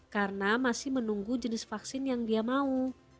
karena masih menunggu jenis vaksin yang dia mau